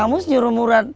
kamu menyuruh murad